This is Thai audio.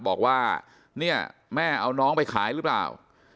บอกว่าเนี่ยแม่เอาน้องไปขายหรือเปล่า